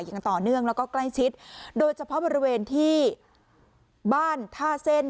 อย่างต่อเนื่องแล้วก็ใกล้ชิดโดยเฉพาะบริเวณที่บ้านท่าเส้น